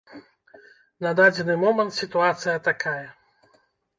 На дадзены момант сітуацыя такая.